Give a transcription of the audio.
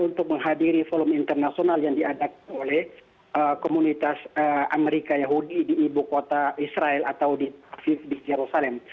untuk menghadiri forum internasional yang diadakan oleh komunitas amerika yahudi di ibu kota israel atau di jerusalem